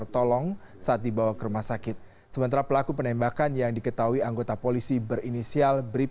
tidak ada yang mau berpikir